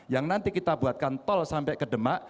yang nanti kita buatkan tol sampai ke demak